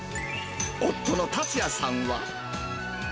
夫の達也さんは。